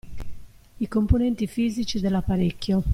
I componenti fisici dell'apparecchio.